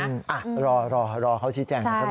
อ่ะรอเขาชีแจงด้วยสักหน่อย